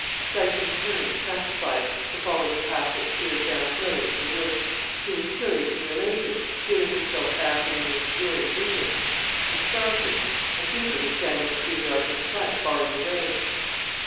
Syson turned, satisfied, to follow the path that sheered downhill into the wood. He was curiously elated, feeling himself back in an enduring vision. He started. A keeper was standing a few yards in front, barring the way.